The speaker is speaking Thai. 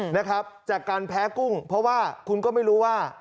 นะครับจากการแพ้กุ้งเพราะว่าคุณก็ไม่รู้ว่า